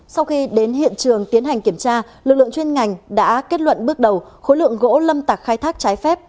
sau khi đến hiện trường tiến hành kiểm tra lực lượng chuyên ngành đã kết luận bước đầu khối lượng gỗ lâm tạc khai thác trái phép